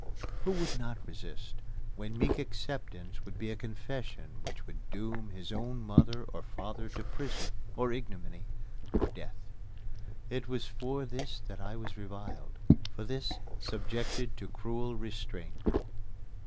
Who would not resist when meek acceptance would be a confession which would doom his own mother or father to prison, or ignominy, or death? It was for this that I was reviled, for this, subjected to cruel restraint.